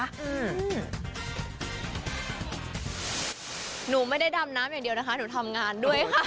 หนูไม่ได้ดำน้ำอย่างเดียวนะคะหนูทำงานด้วยค่ะ